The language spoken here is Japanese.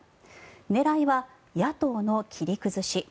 狙いは野党の切り崩し。